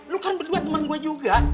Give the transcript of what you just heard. lu kan berdua temen gue juga